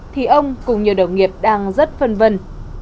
thì ông cùng nhiều đồng nghiệp đang rất phân vân